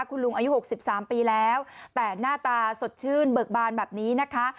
คุณลุงอายุ๖๓ปีแล้วแต่หน้าตาสดชื่นเบิกบานแบบนี้นะคะ